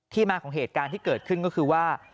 มาของเหตุการณ์ที่เกิดขึ้นก็คือว่า